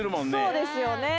そうですよね。